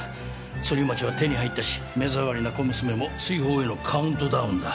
ソリマチは手に入ったし目障りな小娘も追放へのカウントダウンだ。